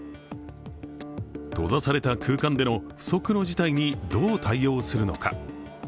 閉ざされた空間での不測の事態にどう対応するのか。